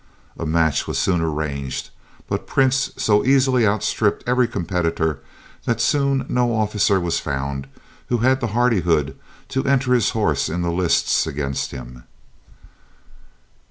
A match was soon arranged, but Prince so easily outstripped every competitor that soon no officer was found who had the hardihood to enter his horse in the lists against him.